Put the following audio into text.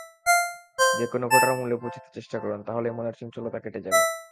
যেকোনো ঘটনার মূলে পৌঁছাতে চেষ্টা করুন, তাহলেই মনের চঞ্চলতা কেটে যাবে।